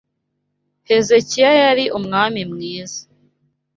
Hezekiya yari umwami mwiza